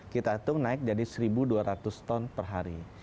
kita hitung naik jadi satu dua ratus ton per hari